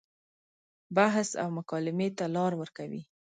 بحث او مکالمې ته لار ورکوي.